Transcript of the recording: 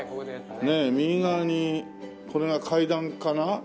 ねえ右側にこれが階段かな？